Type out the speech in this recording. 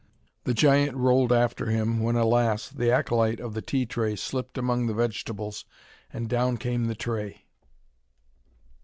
The giant rolled after him when alas, the acolyte of the tea tray slipped among the vegetables, and down came the tray.